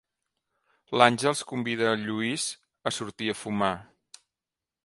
L'Àngels convida el Lluís a sortir a fumar.